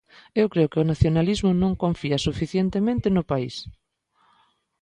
Eu creo que o nacionalismo non confía suficientemente no pais.